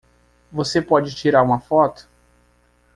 Você pode tirar uma foto?